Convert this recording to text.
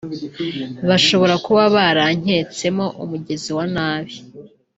bashobora kuba baranketsemo umugizi wa nabi